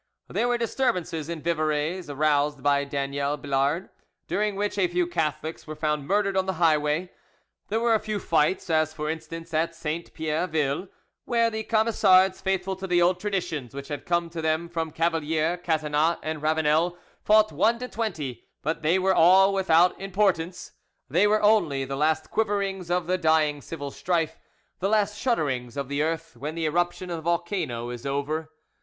There were disturbances in Vivarais, aroused by Daniel Billard, during which a few Catholics were found murdered on the highway; there were a few fights, as for instance at Sainte Pierre Ville, where the Camisards, faithful to the old traditions which had come to them from Cavalier, Catinat, and Ravenal, fought one to twenty, but they were all without importance; they were only the last quiverings of the dying civil strife, the last shudderings of the earth when the eruption of the volcano is over.